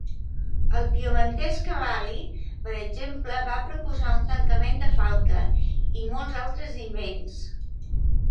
El piemontès Cavalli, per exemple, va proposar un tancament de falca, i molts altres invents.